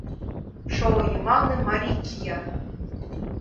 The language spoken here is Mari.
Шоло йымалне Мари кия